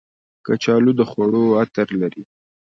کچالو د خوړو عطر لري